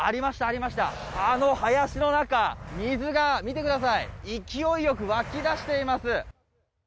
あの林の中、水が、見てください、勢いよく湧き出しています。